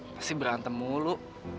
pasti berantem mulu